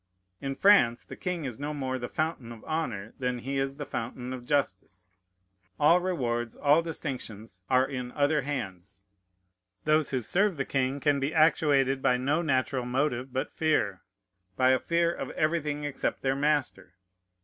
In France the king is no more the fountain of honor than he is the fountain of justice. All rewards, all distinctions, are in other hands. Those who serve the king can be actuated by no natural motive but fear, by a fear of everything except their master.